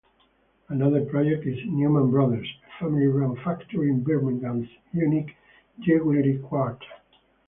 Another project is Newman Brothers, a family-run factory in Birmingham's unique Jewellery Quarter.